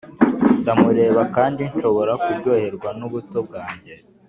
ndamureba kandi nshobora kuryoherwa n'ubuto bwanjye,